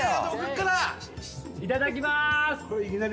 いただきまーす！